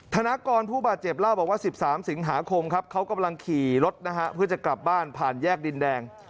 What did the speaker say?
ธนากรผู้บาดเจ็บเล่าบอกว่า๑๓สิงหาคมครับเขากำลังขี่รถนะฮะเพื่อจะกลับบ้านผ่านแยกดินแดง